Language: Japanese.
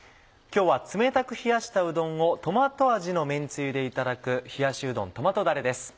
今日は冷たく冷やしたうどんをトマト味のめんつゆでいただく「冷やしうどんトマトだれ」です。